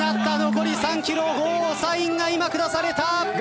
残り３ｋｍゴーサインが今下された。